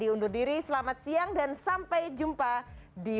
untuk divaksin dan yang pasti